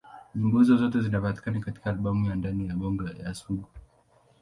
Nyimbo hizo zote zinapatikana katika albamu ya Ndani ya Bongo ya Sugu.